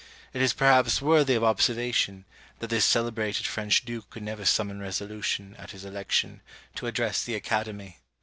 It is perhaps worthy of observation, that this celebrated French duke could never summon resolution, at his election, to address the Academy.